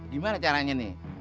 gimana caranya nih